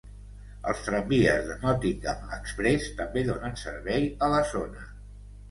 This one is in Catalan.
Els tramvies de Nottingham Express també donen servei a la zona.